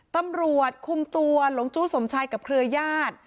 ตำรวจคุมตัวหลงจู้สมชายกับเครือญาติ